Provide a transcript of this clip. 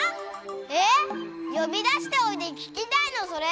えっよび出しておいて聞きたいのそれ？